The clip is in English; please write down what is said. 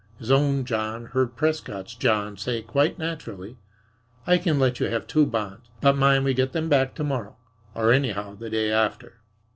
His own John heard Prescott's John say quite naturally: "I can let you have two bonds, but mind we get them back to morrow, or anyhow the day after."